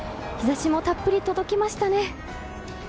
日差しもたっぷり届きましたね。